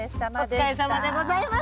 お疲れさまでございました。